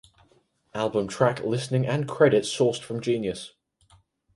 Album track listing and credits sourced from Genius.